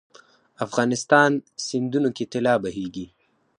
افغانستان سیندونو کې طلا بهیږي 😱